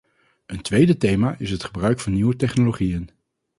Een tweede thema is het gebruik van nieuwe technologieën.